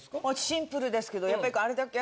シンプルですけどやっぱりあれだけ。